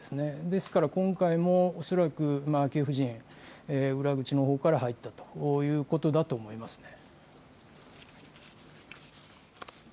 ですから今回も、恐らく昭恵夫人、裏口のほうから入ったということだと思いますね。